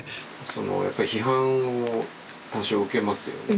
そのやっぱり批判を多少受けますよね。